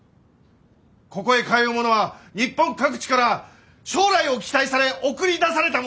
ここへ通う者は日本各地から将来を期待され送り出された者ばかり！